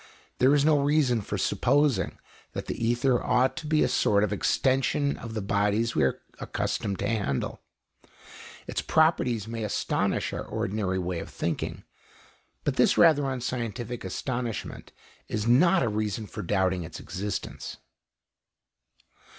There is no reason for supposing that the ether ought to be a sort of extension of the bodies we are accustomed to handle. Its properties may astonish our ordinary way of thinking, but this rather unscientific astonishment is not a reason for doubting its existence.